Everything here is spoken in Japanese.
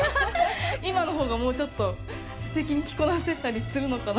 今のほうが、もうちょっとすてきに着こなせたりするのかな。